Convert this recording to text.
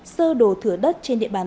sơ đồ thửa đất trên địa bàn